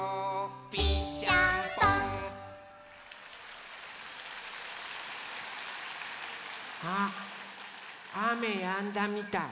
「ピッシャンポン」あっあめやんだみたい。